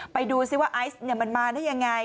ไปดูซิว่าไอซ์มันมาได้ยังไง